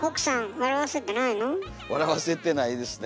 笑わせてないですね。